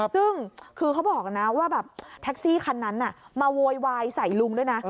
ซึ่งคือเขาบอกนะว่าแบบแท็กซี่คันนั้นมาโวยวายใส่ลุงด้วยนะ